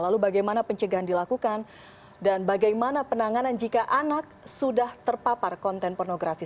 lalu bagaimana pencegahan dilakukan dan bagaimana penanganan jika anak sudah terpapar konten pornografi